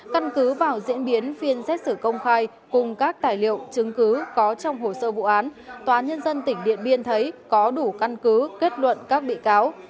căn cứ vào diễn biến phiên xét xử công khai cùng các tài liệu chứng cứ có trong hồ sơ vụ án tòa nhân dân tỉnh điện biên thấy có đủ căn cứ kết luận các bị cáo